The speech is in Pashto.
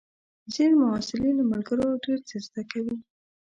ځینې محصلین له ملګرو ډېر څه زده کوي.